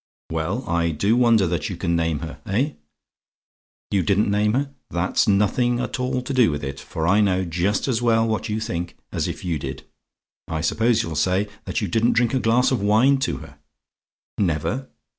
Well, I do wonder that you can name her! Eh? "YOU DIDN'T NAME HER? "That's nothing at all to do with it; for I know just as well what you think, as if you did. I suppose you'll say that you didn't drink a glass of wine to her? "NEVER?